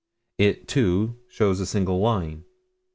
It, too, shows a single line.